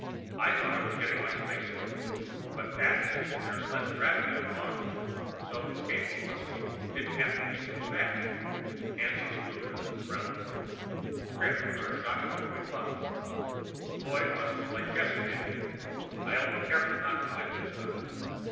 I thought I was getting my space legs, but Pat says there's less gravity on Mars, so escape velocity didn't have to be so fast, hence a smoother (relatively) trip on our shock absorbing bunks. Lloyd wants to play chess again. I'll be careful not to win this time.